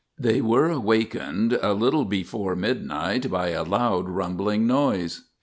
(Christopherson)] They were awakened a little before midnight by a loud rumbling noise.